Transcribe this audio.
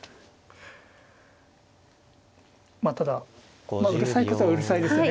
まあただうるさいことはうるさいですね。